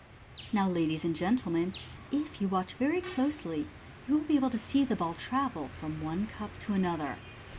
—" Now, ladies and gentlemen, if you watch very closely, you will be able to see the ball travel from one cup to another.